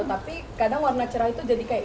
tapi kadang warna cerah itu jadi kayak